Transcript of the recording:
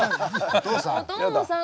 お父さん。